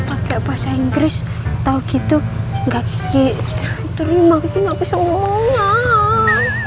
mas kalau pake bahasa inggris tau gitu gak kiki terima kiki gak bisa ngomong aaaaah